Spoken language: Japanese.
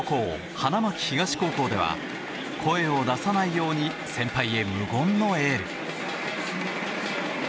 花巻東高校では声を出さないように先輩へ無言のエール。